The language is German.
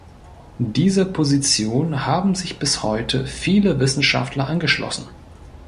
Dieser Position haben sich bis heute viele Wissenschaftler angeschlossen.